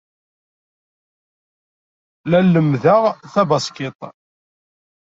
La lemmdeɣ tabaskit.